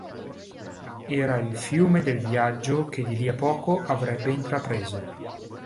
Era il fiume del viaggio che di lì a poco avrebbe intrapreso.